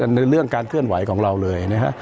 ในเรื่องการเคลื่อนไหวของเราเลยนะฮะ